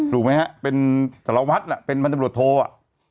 ถูกไหมฮะเป็นสละวัดเป็นบรรทบริโรธโทษ